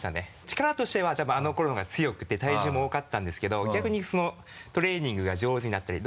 力としては多分あの頃の方が強くて体重も多かったんですけど逆にトレーニングが上手になったり。